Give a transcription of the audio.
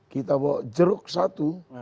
kita bawa jeruk satu